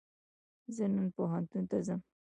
زه نن پوهنتون ته ځم